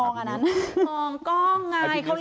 มองก้องไง